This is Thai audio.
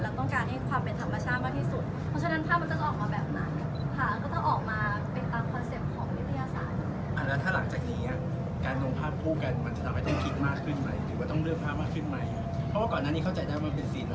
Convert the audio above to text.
ต้องการให้ความเป็นธรรมชาติมากที่สุดเพราะฉะนั้นภาพมันจะต้องออกมาแบบนั้น